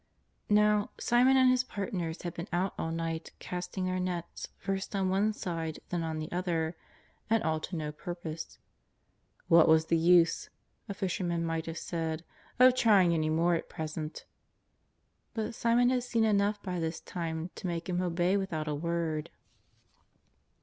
Now, Simon and his partners had been out all night casting their nets first on one side then on the other, and all to no purpose. " What was the use," a fisher man might have said, " of trying any more at present ?" But Simon had seen enough by this time to make him obey without a word.